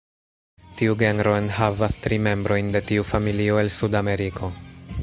Tiu genro enhavas tri membrojn de tiu familio el Sudameriko.